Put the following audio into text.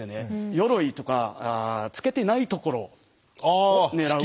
鎧とか着けてないところを狙う。